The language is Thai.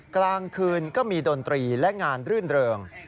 กลางคืนก็มีดนตรีและงานรื่นเริง